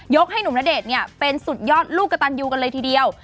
ให้หนุ่มณเดชน์เนี่ยเป็นสุดยอดลูกกระตันยูกันเลยทีเดียว